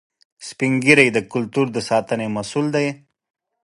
سپین ږیری د کلتور د ساتنې مسؤل دي